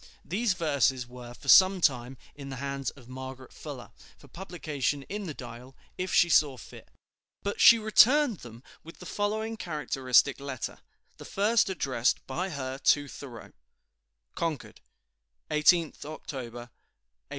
These verses were for some time in the hands of Margaret Fuller, for publication in the "Dial," if she saw fit, but she returned them with the following characteristic letter, the first addressed by her to Thoreau: "[CONCORD] 18th October, 1841.